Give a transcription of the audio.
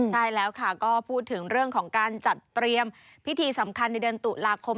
ใช่แล้วค่ะก็พูดถึงเรื่องของการจัดเตรียมพิธีสำคัญในเดือนตุลาคม